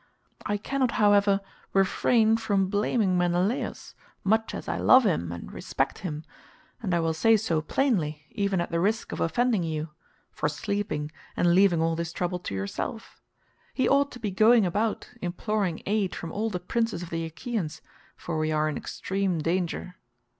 I cannot however refrain from blaming Menelaus, much as I love him and respect him—and I will say so plainly, even at the risk of offending you—for sleeping and leaving all this trouble to yourself. He ought to be going about imploring aid from all the princes of the Achaeans, for we are in extreme danger."